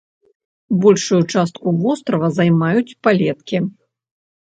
Большую частку вострава займаюць палеткі.